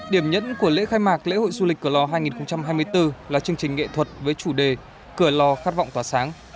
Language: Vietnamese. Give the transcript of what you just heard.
điểm nhấn của lễ khai mạc lễ hội du lịch cửa lò hai nghìn hai mươi bốn là chương trình nghệ thuật với chủ đề cửa lò khát vọng tỏa sáng